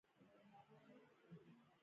هغه خپله نښه یا پکول پخول او چمتو وو.